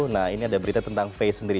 nah ini ada berita tentang face sendiri